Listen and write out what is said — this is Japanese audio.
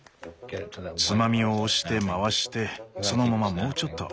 つまみを押して回してそのままもうちょっと。